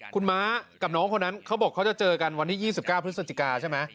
คุณม้ากับน้องคนนั้นเขาบอกเขาจะเจอกันวันที่๒๙พฤศจิกาใช่ไหม